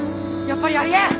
やっぱりありえん！